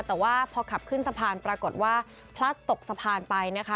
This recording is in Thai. แต่ว่าพอขับขึ้นสะพานปรากฏว่าพลัดตกสะพานไปนะคะ